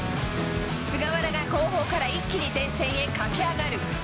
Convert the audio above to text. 菅原が後方から一気に前線へ駆け上がる。